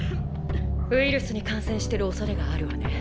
ウイルスに感染してるおそれがあるわね。